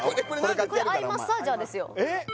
これアイマッサージャーですよ